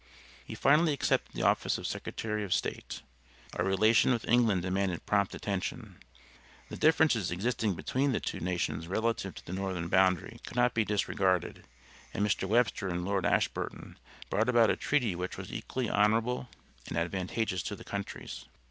He finally accepted the office of Secretary of State. Our relation with England demanded prompt attention. The differences existing between the two nations relative to the Northern boundary could not be disregarded, and Mr. Webster and Lord Ashburton brought about a treaty which was equally honorable and advantageous to the countries.